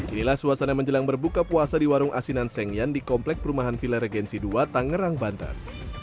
inilah suasana menjelang berbuka puasa di warung asinan sengyan di komplek perumahan villa regensi dua tangerang banten